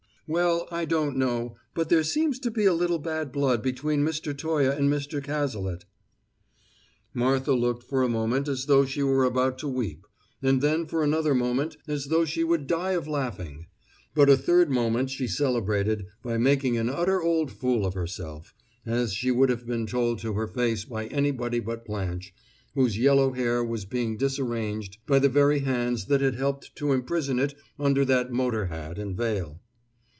"Well, I don't know, but there seems to be a little bad blood between Mr. Toye and Mr. Cazalet." Martha looked for a moment as though she were about to weep, and then for another moment as though she would die of laughing. But a third moment she celebrated by making an utter old fool of herself, as she would have been told to her face by anybody but Blanche, whose yellow hair was being disarranged by the very hands that had helped to imprison it under that motor hat and veil.